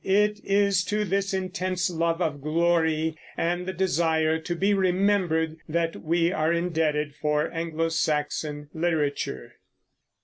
It is to this intense love of glory and the desire to be remembered that we are indebted for Anglo Saxon literature.